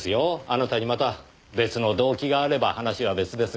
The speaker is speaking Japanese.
あなたにまた別の動機があれば話は別ですがねぇ。